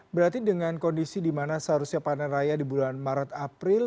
berarti dengan kondisi di mana seharusnya panen raya di bulan maret april